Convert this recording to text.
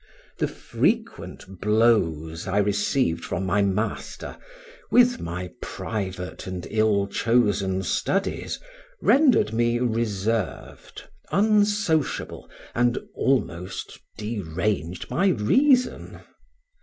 The frequent blows I received from my master, with my private and ill chosen studies, rendered me reserved, unsociable, and almost deranged my reason.